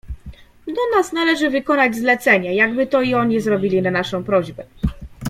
"Do nas należy wykonać zlecenie, jakby to i oni zrobili na naszą prośbę."